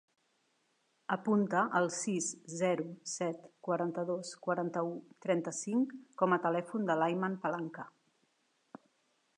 Apunta el sis, zero, set, quaranta-dos, quaranta-u, trenta-cinc com a telèfon de l'Ayman Palanca.